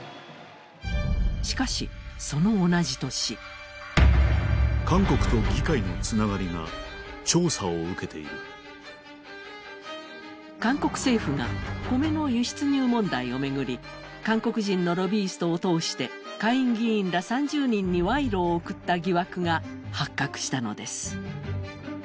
しかし、その同じ年韓国政府が米の輸出入問題を巡り韓国人のロビイストを通して下院議員ら３０人に賄賂を贈った疑惑が発覚したのです。